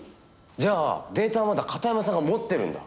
じゃあデータはまだ片山さんが持ってるんだ。